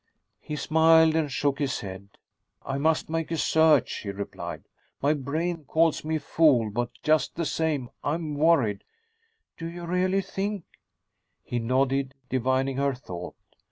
He smiled and shook his head. "I must make a search," he replied. "My brain calls me a fool, but just the same, I'm worried." "Do you really think ...?" He nodded, divining her thought.